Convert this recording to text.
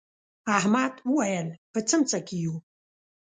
احمد وويل: په سمڅه کې یو.